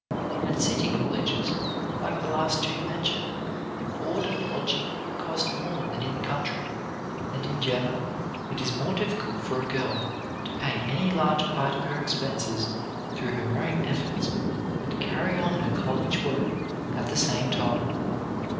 At city colleges, like the last two mentioned, board and lodging cost more than in the country; and in general it is more difficult for a girl to pay any large part of her expenses through her own efforts and carry on her college work at the same time.